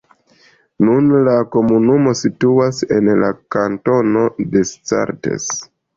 Nun, la komunumo situas en la kantono Descartes.